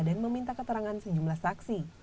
dan meminta keterangan sejumlah saksi